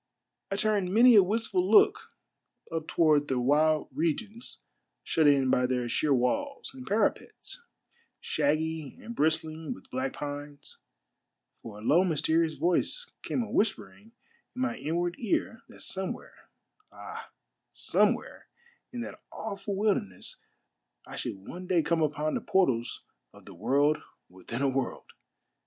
I turned many a wistful look up toward the wild regions shut in by their sheer walls and parapets, shaggy and bristling with black pines, for a low, mysterious voice came a whispering in my inward ear that somewhere, ah, somewhere in that awful wilder ness, I should one day come upon the portals of the World with in a World!